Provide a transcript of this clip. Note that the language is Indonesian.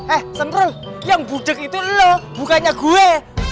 eh semrul yang gudeg itu lo bukannya gue